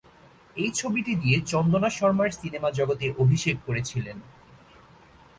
এই ছবিটি দিয়ে চন্দনা শর্মার সিনেমা জগতে অভিষেক করেছিলেন।